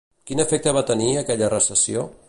Quin efecte va tenir aquella altra recessió?